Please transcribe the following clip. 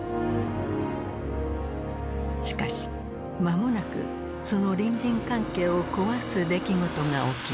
しかし間もなくその隣人関係を壊す出来事が起きる。